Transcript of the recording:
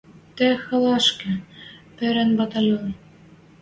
Тӹ халашкы пырен батальон.